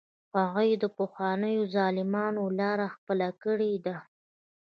هغوی د پخوانیو ظالمانو لاره خپله کړې ده.